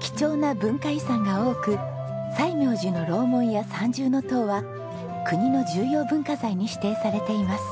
貴重な文化遺産が多く西明寺の楼門や三重塔は国の重要文化財に指定されています。